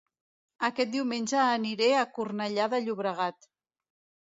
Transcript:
Aquest diumenge aniré a Cornellà de Llobregat